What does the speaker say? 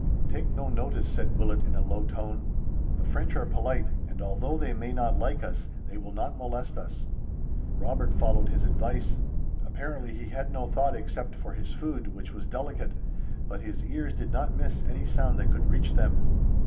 "Take no notice," said Willet in a low tone. "The French are polite, and although they may not like us they will not molest us." Robert followed his advice. Apparently he had no thought except for his food, which was delicate, but his ears did not miss any sound that could reach them.